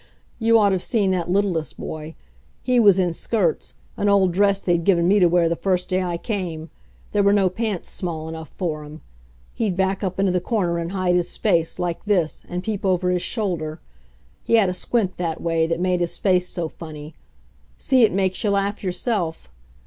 ha! you ought have seen that littlest boy. He was in skirts, an old dress they'd given me to wear the first day I came; there were no pants small enough for him. He'd back up into the corner and hide his face like this and peep over his shoulder; he had a squint that way, that made his face so funny. See, it makes you laugh yourself.